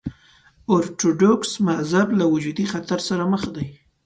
ارتوډوکس مذهب له وجودي خطر سره مخ دی.